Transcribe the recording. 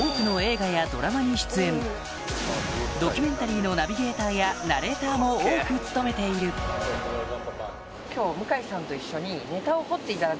これまでドキュメンタリーのナビゲーターやナレーターも多く務めている今日。